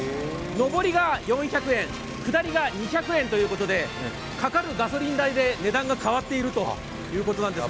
上りが４００円、下りが２００円ということでかかるガソリン代で値段が変わっているということです。